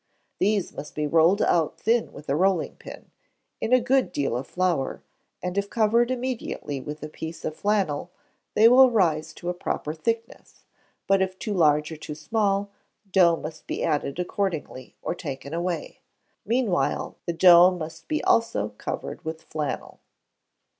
These must be rolled out thin with a rolling pin, in a good deal of flour, and if covered immediately with a piece of flannel, they will rise to a proper thickness; but if too large or small, dough must be added accordingly, or taken away; meanwhile, the dough must be also covered with flannel.